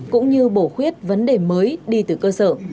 cũng như bổ khuyết vấn đề mới đi từ cơ sở